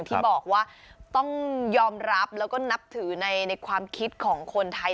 ที่บอกว่าต้องยอมรับแล้วก็นับถือในความคิดของคนไทย